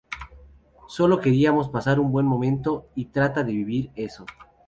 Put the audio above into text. Solo queríamos pasar un buen momento y tratar de vivir de eso.